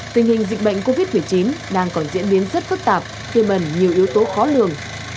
tình hình dịch bệnh covid một mươi chín đang còn diễn biến rất phức tạp tiêm ẩn nhiều yếu tố khó lường